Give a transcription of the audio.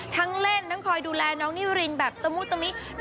ทั้งเล่นทั้งคอยดูแลน้องนิวรินแบบตะมุตมิ